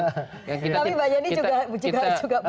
tapi mbak yeni juga juga pengurus itu kan